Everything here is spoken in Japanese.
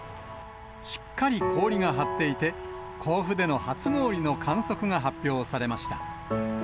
しっかり氷が張っていて、甲府での初氷の観測が発表されました。